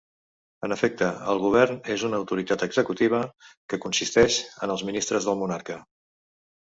En efecte, el govern és una autoritat executiva que consisteix en els ministres del monarca.